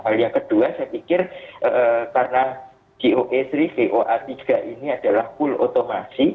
hal yang kedua saya pikir karena gos ini coa tiga ini adalah full otomasi